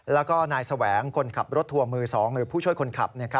แล้วก็นายแสวงคนขับรถทัวร์มือ๒หรือผู้ช่วยคนขับ